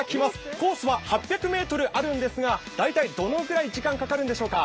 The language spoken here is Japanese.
コースは８００ｍあるんですがどのくらい時間がかかるでしょうか？